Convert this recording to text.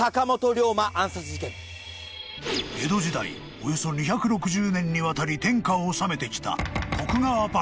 ［およそ２６０年にわたり天下を治めてきた］